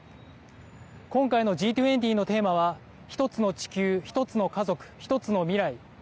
今回のＧ２０のテーマは一つの地球一つの家族一つの未来